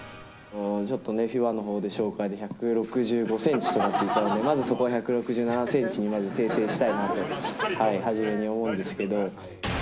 ちょっとね、ＦＩＢＡのほうで紹介で１６５センチとなっていたので、まず、そこは１６７センチに訂正したいなと、初めに思うんですけ